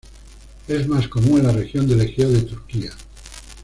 Es más común en la Región del Egeo de Turquía.